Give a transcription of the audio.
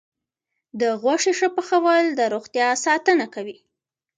د غوښې ښه پخول د روغتیا ساتنه کوي.